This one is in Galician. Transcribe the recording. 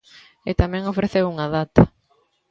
E tamén ofreceu unha data.